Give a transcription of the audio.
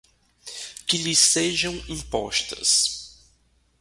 que lhe sejam impostas